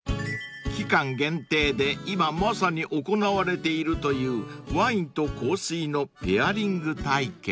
［期間限定で今まさに行われているというワインと香水のペアリング体験］